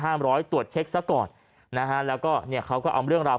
ร้อยตรวจเช็คซะก่อนนะฮะแล้วก็เนี่ยเขาก็เอาเรื่องราว